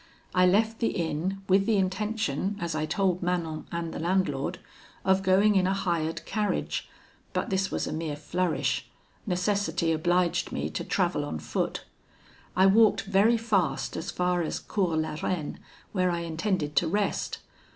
I left the inn, with the intention, as I told Manon and the landlord, of going in a hired carriage, but this was a mere flourish; necessity obliged me to travel on foot: I walked very fast as far as Cours la Reine, where I intended to rest.